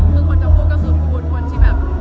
คุณควรจะพูดกับสูงคุณคนที่แบบ